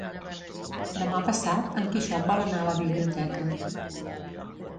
Demà passat en Quixot vol anar a la biblioteca.